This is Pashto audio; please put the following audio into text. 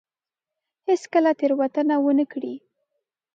هېڅ کله تېروتنه ونه کړي.